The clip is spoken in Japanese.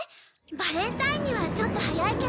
バレンタインにはちょっと早いけど。